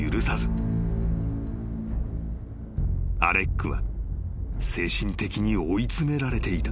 ［アレックは精神的に追い詰められていた］